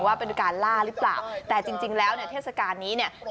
ว่าเป็นการล่าหรือเปล่าแต่จริงแล้วเนี่ยเทศกาลนี้เนี่ย